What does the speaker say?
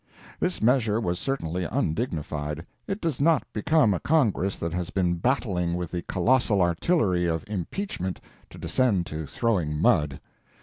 This measure was certainly undignified. It does not become a Congress that has been battling with the colossal artillery of impeachment to descend to throwing mud.